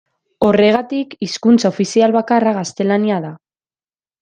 Horregatik, hizkuntza ofizial bakarra gaztelania da.